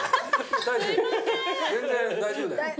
全然大丈夫だよ。